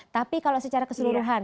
tapi kalau secara keseluruhan